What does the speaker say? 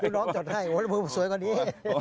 ครูน้องจดให้โอ้โฮแต่แบบนิยมไม่สวยกว่านี้